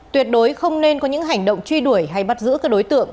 tuyệt đối không nên có những hành động truy đuổi hay bắt giữ các đối tượng